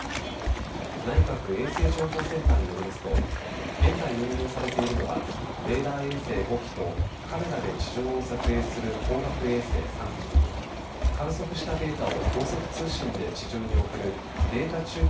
内閣衛星情報センターによりますと現在、運用されているのはレーダー衛星５機とカメラで地上を撮影する光学衛星３機観測したデータを高速通信で地上に送るデータ中継